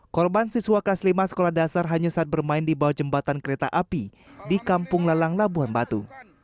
korban siswa kaslimah sekolah dasar hanyu saat bermain di bawah jembatan kereta api di kampung lalang labuan batu